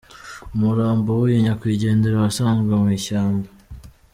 Umurambo w’uyu nyakwigendera wasanzwe mu ishyamba.